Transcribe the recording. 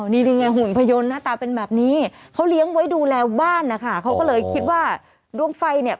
นี่นี่ไงหุ่นพยนต์หน้าตาเป็นแบบนี้เขาเลี้ยงไว้ดูแลบ้านนะคะเขาก็เลยคิดว่าดวงไฟเนี่ย